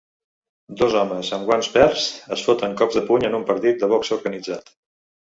Dos homes amb guants verds es foten cops de puny en un partit de boxa organitzat.